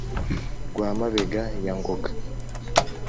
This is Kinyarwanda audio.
Rwa Mabega ya Ngoga: